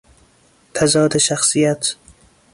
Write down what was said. تضاد شخصیت